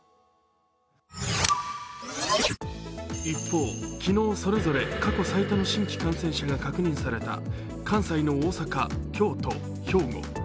一方、昨日それぞれ過去最多の新規感染者が確認された関西の大阪、京都、兵庫。